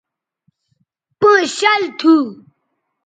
پئیں شَل تھو